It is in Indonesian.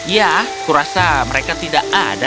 ya kurasa mereka tidak ada